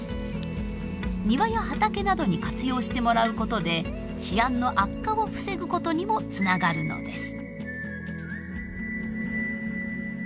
庭や畑などに活用してもらうことで治安の悪化を防ぐことにもつながるのです。